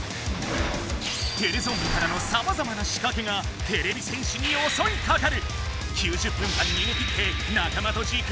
テレゾンビからのさまざまな仕掛けがてれび戦士におそいかかる！